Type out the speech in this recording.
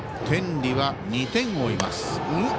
天理は２点を追います。